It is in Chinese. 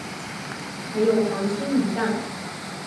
还有黄金鱼蛋